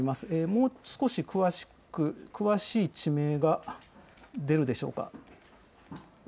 もう少し詳しい地名が出るでしょうか。